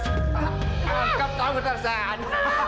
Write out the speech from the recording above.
ketangkap kamu tarzan